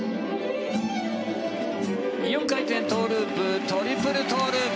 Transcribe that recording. ４回転トウループトリプルトウループ。